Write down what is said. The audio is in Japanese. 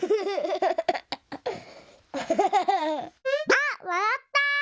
あっわらった！